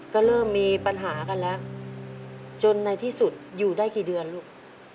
ก็เริ่มมีปัญหากันแล้วจนในที่สุดอยู่ได้กี่เดือนลูก